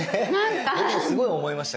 僕もすごい思いました。